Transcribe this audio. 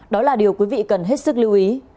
đó là điều quý vị cần hết sức lưu ý